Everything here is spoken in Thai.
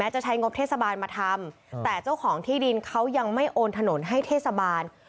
จะใช้งบเทศบาลมาทำแต่เจ้าของที่ดินเขายังไม่โอนถนนให้เทศบาล